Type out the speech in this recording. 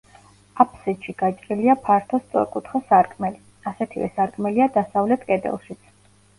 აფსიდში გაჭრილია ფართო სწორკუთხა სარკმელი; ასეთივე სარკმელია დასავლეთ კედელშიც.